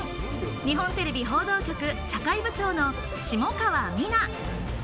日本テレビ報道局・社会部長の下川美奈。